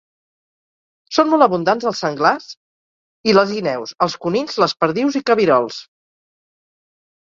Són molt abundants els senglars i les guineus, els conills, les perdius i cabirols.